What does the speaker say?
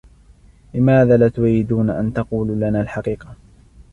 لماذا لا تريدون أن تقولوا لنا الحقيقة ؟